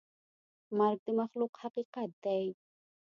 مرګ د مخلوق حقیقت دی.